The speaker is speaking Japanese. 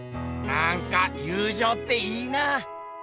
なんか友じょうっていいなあ。